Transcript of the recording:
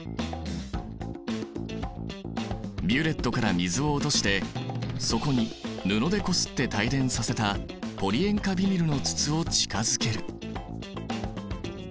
ビュレットから水を落としてそこに布でこすって帯電させたポリ塩化ビニルの筒を近づける。